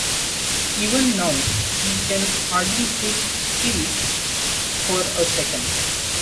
Even now, he can hardly sit still for a second.